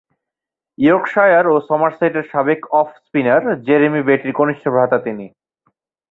Yorkshire ও সমারসেটের সাবেক অফ স্পিনার জেরেমি বেটি’র কনিষ্ঠ ভ্রাতা তিনি।